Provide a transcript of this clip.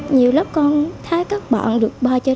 nhiều lớp con thấy các bọn được bao trời